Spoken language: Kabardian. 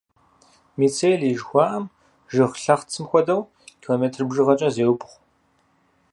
Мицелий жыхуаӏэм, жыг лъэхъцым хуэдэу, километр бжыгъэкӏэ зеубгъу.